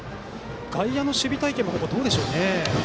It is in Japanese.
外野の守備隊形もどうでしょうね。